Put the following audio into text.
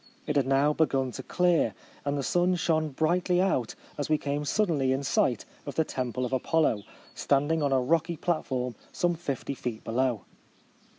It had now begun to clear ; and the sun shone brightly out as we came suddenly in sight of the temple of Apollo, standing on a rocky platform some fifty feet be low.